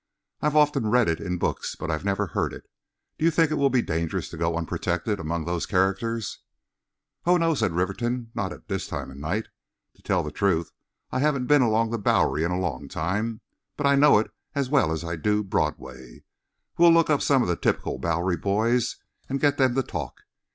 I've often read it in books, but I never heard it. Do you think it will be dangerous to go unprotected among those characters?" "Oh, no," said Rivington; "not at this time of night. To tell the truth, I haven't been along the Bowery in a long time, but I know it as well as I do Broadway. We'll look up some of the typical Bowery boys and get them to talk.